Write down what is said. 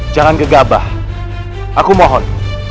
jangan gegabah aku mohon